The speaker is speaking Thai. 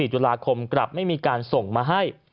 ๔ตุลาคมกลับไม่มีการส่งมาให้